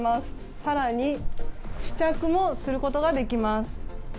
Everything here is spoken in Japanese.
更に試着もすることができます。